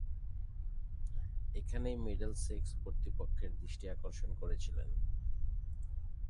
এখানেই মিডলসেক্স কর্তৃপক্ষের দৃষ্টি আকর্ষণ করেছিলেন।